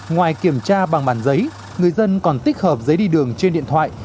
ngoài kiểm tra bằng bản giấy người dân còn tích hợp giấy đi đường trên điện thoại